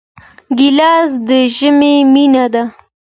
ګیلاس د ژمي مینه ده.